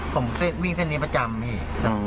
ผมวิ่งเส้นนี้ประจำพี่